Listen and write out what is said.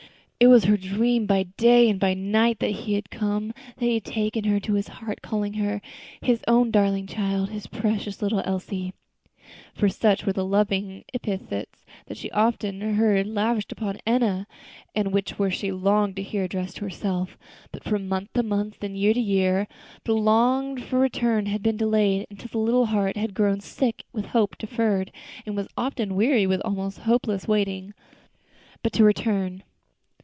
It was her dream, by day and by night, that he had come, that he had taken her to his heart, calling her "his own darling child, his precious little Elsie;" for such were the loving epithets she often heard lavished upon Enna, and which she longed to hear addressed to herself. But from month to month, and year to year, that longed for return had been delayed until the little heart had grown sick with hope deferred, and was often weary with its almost hopeless waiting. But to return.